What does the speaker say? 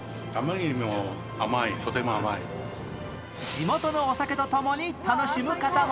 地元のお酒とともに楽しむ方も